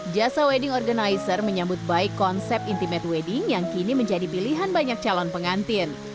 jasa wedding organizer menyambut baik konsep intimate wedding yang kini menjadi pilihan banyak calon pengantin